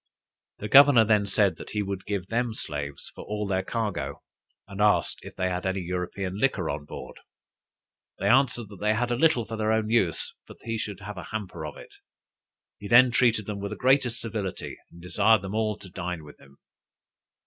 The governor then said, that he would give them slaves for all their cargo; and asked if they had any European liquor on board. They answered, that they had a little for their own use, but that he should have a hamper of it. He then treated them with the greatest civility, and desired them all to dine with him.